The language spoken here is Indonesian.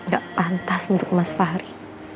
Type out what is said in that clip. gak pantas untuk mas fahri